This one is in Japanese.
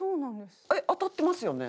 当たってますよね？